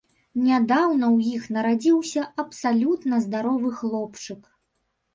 Нядаўна ў іх нарадзіўся абсалютна здаровы хлопчык.